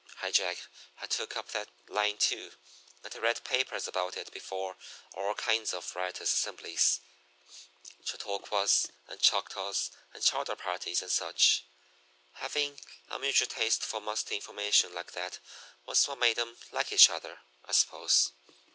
High Jack had took up that line too, and had read papers about it before all kinds of riotous assemblies Chautauquas and Choctaws and chowder parties, and such. Having a mutual taste for musty information like that was what made 'em like each other, I suppose.